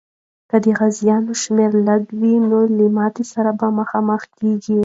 که د غازیانو شمېر لږ وي، نو ماتي سره مخامخ کېږي.